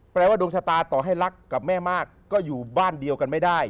แปลว่าดวงชะตาต่อให้รักกับแม่มากก็อยู่บ้านเดียวกันไม่ได้